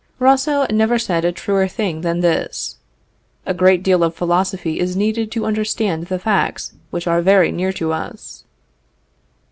Rousseau never said a truer thing than this: "A great deal of philosophy is needed to understand the facts which are very near to us."